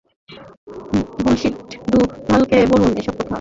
Bullshit ডুভালকে বলুন এসব কথা।